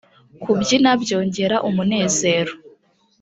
kubyina byongera umunezero.